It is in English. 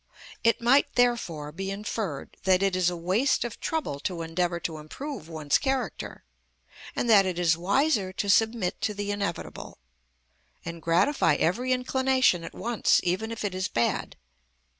It might, therefore, be inferred that it is a waste of trouble to endeavour to improve one's character, and that it is wiser to submit to the inevitable, and gratify every inclination at once, even if it is bad.